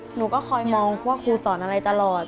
หนูก็คอยมองว่าครูสอนอะไรตลอด